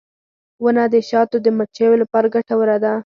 • ونه د شاتو د مچیو لپاره ګټوره ده.